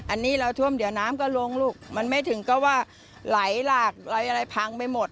อันนี้เราท่วมเดี๋ยวน้ำก็ลงลูกมันไม่ถึงก็ว่าไหลหลากไหลอะไรพังไปหมด